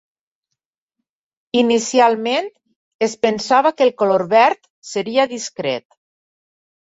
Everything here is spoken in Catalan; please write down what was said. Inicialment, es pensava que el color verd seria discret.